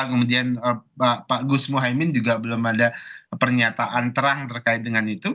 kemudian pak gus muhaymin juga belum ada pernyataan terang terkait dengan itu